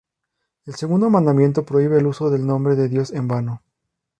El segundo Mandamiento prohíbe el uso del nombre de Dios en vano.